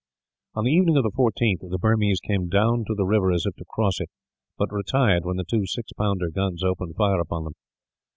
On the evening of the 14th, the Burmese came down to the river as if to cross it; but retired when the two six pounder guns opened fire upon them.